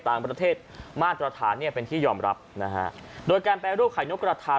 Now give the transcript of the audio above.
ต่างประเทศมาตรฐานเนี่ยเป็นที่ยอมรับนะฮะโดยการแปรรูปไข่นกกระทา